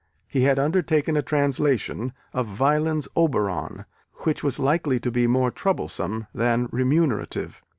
He had undertaken a translation of Wieland's Oberon, which was likely to be more troublesome than remunerative.